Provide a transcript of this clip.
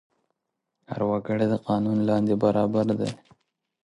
هر وګړی د قانون لاندې برابر دی.